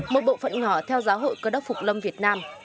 một bộ phận nhỏ theo giáo hội cơ đốc phục lâm việt nam